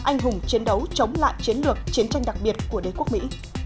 anh hùng chiến đấu chống lại chiến lược chiến tranh đặc biệt của đế quốc mỹ